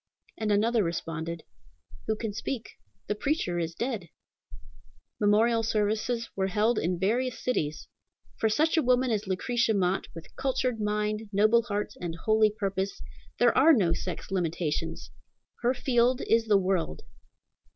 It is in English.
and another responded, "Who can speak? the preacher is dead!" Memorial services were held in various cities. For such a woman as Lucretia Mott, with cultured mind, noble heart, and holy purpose, there are no sex limitations. Her field is the world.